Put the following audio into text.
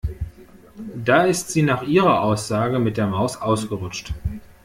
Da ist sie nach ihrer Aussage mit der Maus ausgerutscht.